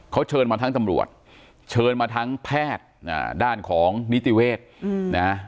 เขาเชิญมาทั้งตำรวจเชิญมาทั้งแพทย์ด้านของนิติเวศนะฮะ